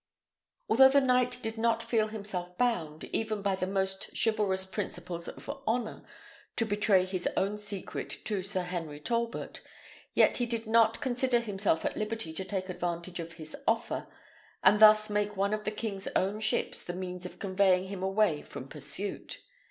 Although the knight did not feel himself bound, even by the most chivalrous principles of honour, to betray his own secret to Sir Henry Talbot, yet he did not consider himself at liberty to take advantage of his offer, and thus make one of the king's own ships the means of conveying him away from pursuit.